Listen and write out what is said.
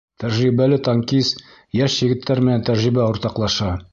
Тәжрибәле танкист йәш егеттәр менән тәжрибә уртаҡлаша.